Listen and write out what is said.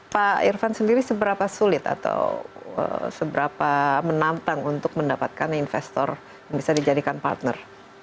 pak irvan sendiri seberapa sulit atau seberapa menantang untuk mendapatkan investor yang bisa dijadikan partner